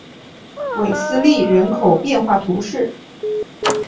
韦斯利人口变化图示